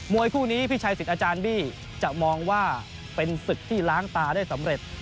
วยคู่นี้พี่ชัยสิทธิ์อาจารย์บี้จะมองว่าเป็นศึกที่ล้างตาได้สำเร็จ